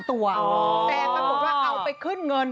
แต่มันบอกว่าเอาไปขึ้นเงิน